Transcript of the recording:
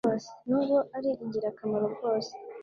Nubwo ari ingirakamaro bwose